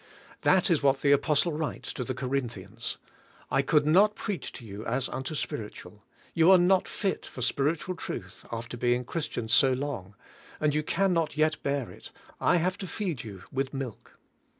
That is what the apostle writes to the Corinthians: "I could not preach to you as unto spiritual; you are 14 CARXAL CIIRISTIAXS not fit for spiritual truth after being Christians so long; you can not yet bear it; I have to feed you with milk."